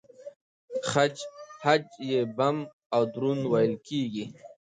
خج يې بم او دروند وېل کېږي.